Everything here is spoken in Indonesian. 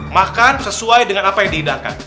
makan sesuai dengan apa yang dihidangkan